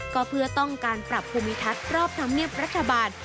ก็เพื่อต้องการปรับภูมิทัศน์รอบธรรมเนียบรัฐบาล